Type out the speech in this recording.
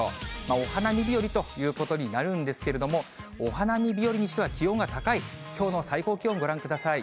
お花見日和ということになるんですけれども、お花見日和にしては気温が高い、きょうの最高気温、ご覧ください。